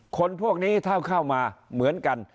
คนพวกนี้ถ้าเข้ามาเหมือนกัน